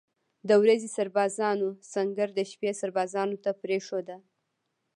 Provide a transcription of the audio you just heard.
د ورځې سربازانو سنګر د شپې سربازانو ته پرېښوده.